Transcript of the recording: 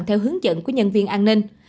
theo hướng dẫn của nhân viên an ninh